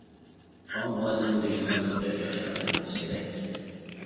تاڭ مۇئەللىم دېگىنىڭىز بەك ياخشى ئادەم بولسا كېرەك.